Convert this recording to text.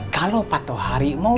kalau patuh hari mau